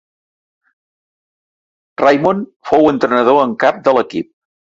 Raymond fou l'entrenador en cap de l'equip.